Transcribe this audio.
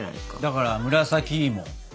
だから紫芋。